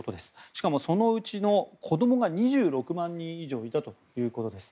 しかもそのうちの子供が２６万人以上いたということです。